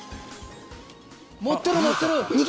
持ってる持ってる。